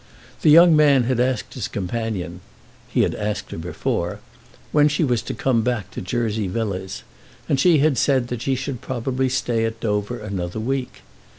The young man had asked his companion (he had asked her before) when she was to come back to Jersey Villas, and she had said that she should probably stay at Dover another week.